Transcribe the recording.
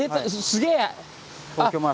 すげえ！